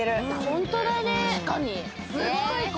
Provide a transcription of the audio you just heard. ホントだね。